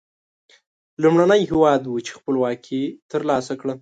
لومړنی هېواد و چې خپلواکي تر لاسه کړه.